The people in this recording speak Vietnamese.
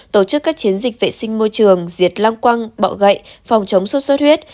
tổ chức các chiến dịch vệ sinh môi trường diệt long quăng bọ gậy phòng chống xuất xuất huyết